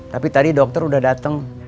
tapi tadi dokter udah datang